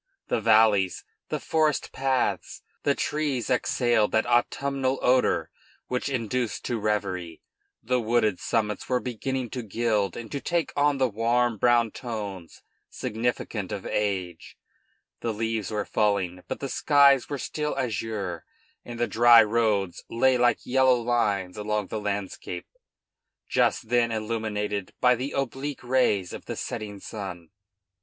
The valleys, the forest paths, the trees exhaled that autumnal odor which induced to reverie; the wooded summits were beginning to gild and to take on the warm brown tones significant of age; the leaves were falling, but the skies were still azure and the dry roads lay like yellow lines along the landscape, just then illuminated by the oblique rays of the setting sun.